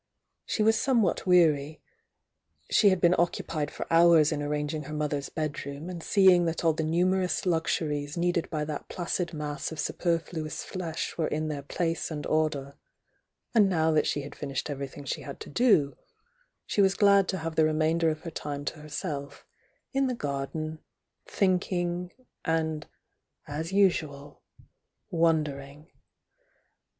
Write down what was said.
She was somewhat weary, — she had been occupied for hours in arranging her mother's bedroom and seeing that all the numerous luxuries needed by that placid mass of superfluous flesh were in their place and order, and now that she had finished everything she had to do, she was glad to have the remainder of her time to herself in the garden, thinking, and— as usual — wondering.